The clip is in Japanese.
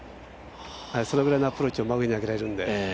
そのぐらいのアプローチを真上に上げられるので。